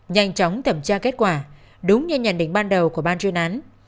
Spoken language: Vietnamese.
nhanh chóng thẩm tra kết quả đúng như nhận định ban đầu của ban chuyên án